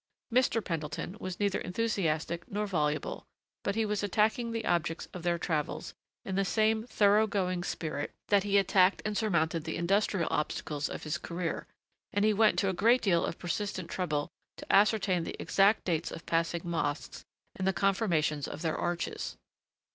Mr. Pendleton was neither enthusiastic nor voluble, but he was attacking the objects of their travels in the same thorough going spirit that he had attacked and surmounted the industrial obstacles of his career, and he went to a great deal of persistent trouble to ascertain the exact dates of passing mosques and the conformations of their arches.